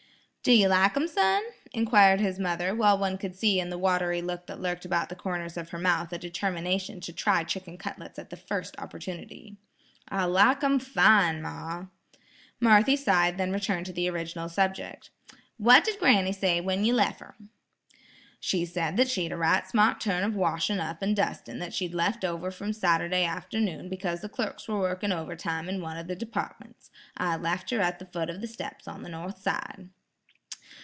"Do you like 'em, son?" inquired his mother, while one could see in the watery look that lurked about the corners of her mouth a determination to try chicken cutlets at the first opportunity. "I like 'em fine ma." Marthy sighed, and then returned to the original subject. "What did granny say when you lef' her?" "She said that she'd a right smart turn of washing up and dusting that she'd left over from Saturday afternoon because the clerks were working overtime in one of the departments. I left her at the foot of the steps on the north side."